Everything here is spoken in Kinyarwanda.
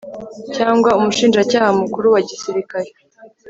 cyangwa Umushinjacyaha Mukuru wa gisirikare